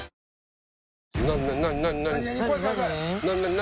何？